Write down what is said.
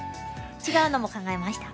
違うのも考えました。